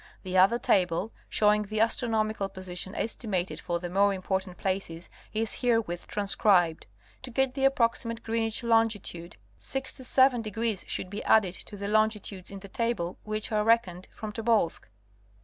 The other table, showing the astronomical position estimated for the more important places is herewith transcribed. To get the approximate Greenwich longitude 67° should be added to the longitudes in the table which are reckoned from Tobolsk.